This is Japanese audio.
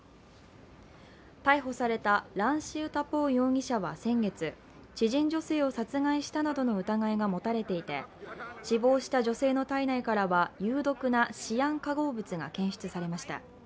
逮捕されたランシウタポーン容疑者は先月、知人女性を殺害したなどの疑いが持たれていて死亡した女性の体内からは有毒なシアン化合物が検出されました。